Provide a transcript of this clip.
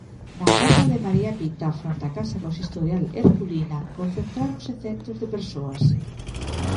Na praza de María Pita, fronte á casa consistorial herculina, concentráronse centos de persoas.